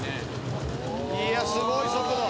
いやすごい速度！